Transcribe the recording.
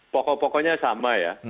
pokok pokoknya sama ya